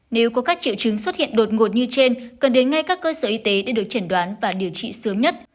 nếu có các triệu chứng xuất hiện đột ngột như trên cần đến ngay các cơ sở y tế để được chẩn đoán và điều trị sớm nhất